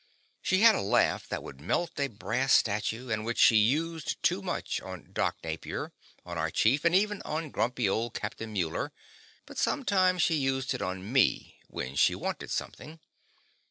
She had a laugh that would melt a brass statue and which she used too much on Doc Napier, on our chief, and even on grumpy old Captain Muller but sometimes she used it on me, when she wanted something.